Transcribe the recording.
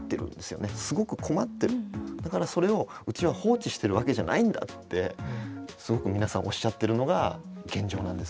だからそれをうちは放置してるわけじゃないんだってすごく皆さんおっしゃってるのが現状なんです。